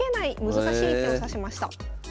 難しい手を指しました。